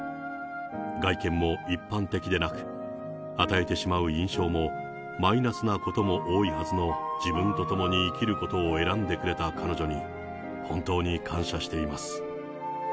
外見も一般的でなく、与えてしまう印象もマイナスなことも多いはずの自分と共に生きることを選んでくれた彼女に、本当に感謝しています。